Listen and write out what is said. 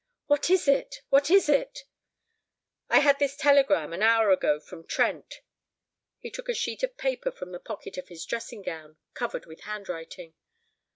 "What is it? What is it?" "I had this telegram an hour ago from Trent." He took a sheet of paper from the pocket of his dressing gown, covered with handwriting.